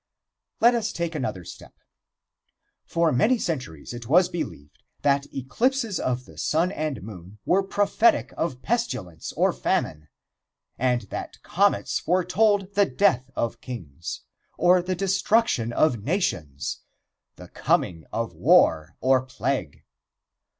Let us take another step: For many centuries it was believed that eclipses of the sun and moon were prophetic of pestilence or famine, and that comets foretold the death of kings, or the destruction of nations, the coming of war or plague.